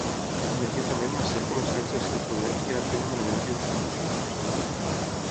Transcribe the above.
Immediatament Macià començà a exercir el poder i a fer nomenaments i destitucions.